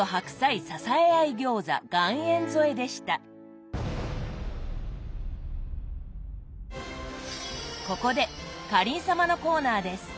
一皿目ここでかりん様のコーナーです。